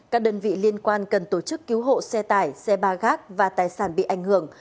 các đơn vị liên quan cần tổ chức cứu hộ xe tải xe ba gác và tài sản bị ảnh hưởng